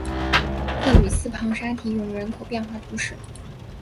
克吕斯旁沙提永人口变化图示